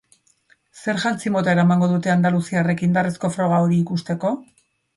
Zer jantzi mota eramango dute andaluziarrek indarrezko froga hori ikusteko?